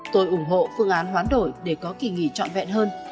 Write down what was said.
tôi ủng hộ phương án hoán đổi để có kỳ nghỉ trọn vẹn hơn